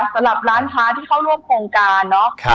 สำหรับร้านค้าที่เข้าร่วมโครงการเนาะ